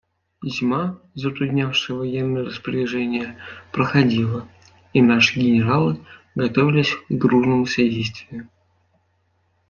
Зима, затруднявшая военные распоряжения, проходила, и наши генералы готовились к дружному содействию.